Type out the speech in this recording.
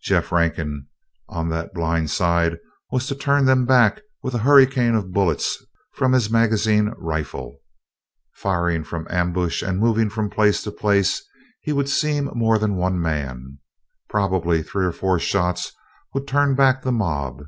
Jeff Rankin on that blind side was to turn them back with a hurricane of bullets from his magazine rifle. Firing from ambush and moving from place to place, he would seem more than one man. Probably three or four shots would turn back the mob.